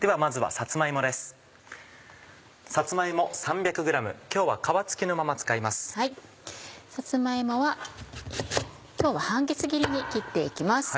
さつま芋今日は半月切りに切って行きます。